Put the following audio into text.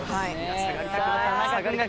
下がりたくない。